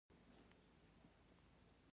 محمد عارف یوه صادق انسان دی